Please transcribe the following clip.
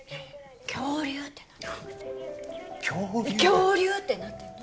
恐竜！ってなってるの。